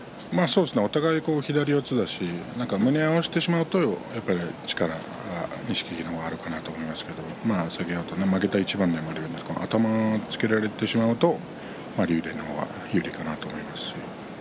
お互い左四つだし胸を合わせてしまうとやっぱり力は錦木の方があるかなと思いますけれど負けた一番にもあるように頭をつけられてしまうと竜電の方が有利かなと思います。